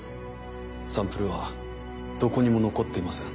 サンプルはどこにも残っていません。